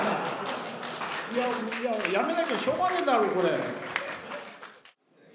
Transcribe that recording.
いや辞めなきゃしょうがないだろこれ。